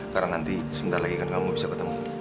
karena nanti sebentar lagi kan kamu bisa ketemu